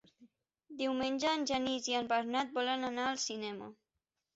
Diumenge en Genís i en Bernat volen anar al cinema.